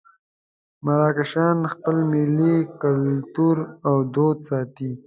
مراکشیان خپل ملي کولتور او دود ساتي.